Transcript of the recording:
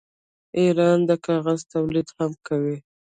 ایران د کاغذ تولید هم کوي.